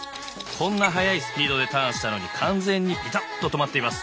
こんな速いスピードでターンしたのに完全にビタッと止まっています。